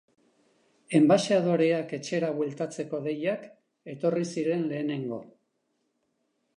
Enbaxadoreak etxera bueltatzeko deiak etorri ziren lehenengo.